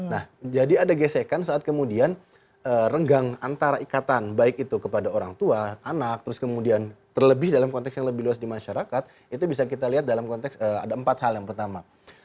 nah jadi ada gesekan saat kemudian renggang antara ikatan baik itu kepada orang tua anak terus kemudian terlebih dalam konteks yang lebih luas di masyarakat itu bisa kita lihat dalam konteks ada empat hal yang pertama